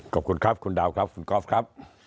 ขอบคุณครับคุณดาวครับคุณก๊อฟครับ